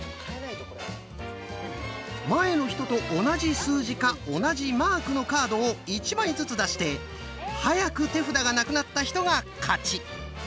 前の人と同じ数字か同じマークのカードを１枚ずつ出して早く手札がなくなった人が勝ち。